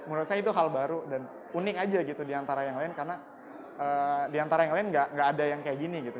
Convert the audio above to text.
menurut saya itu hal baru dan unik aja gitu diantara yang lain karena diantara yang lain gak ada yang kayak gini gitu